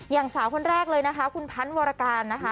อย่างสาวคนแรกเลยคุณพันวากรกร